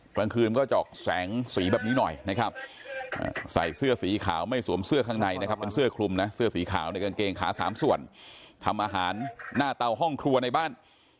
ทำอาหารหน้าเตาห้องครัวในบ้าน